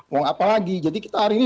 mau apa lagi jadi kita hari ini